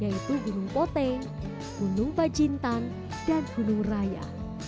yaitu gunung poteng gunung bacintan dan gunung raya